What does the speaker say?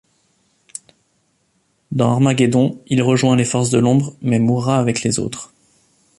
Dans Armageddon, il rejoint les forces de l'ombre mais mourra avec les autres.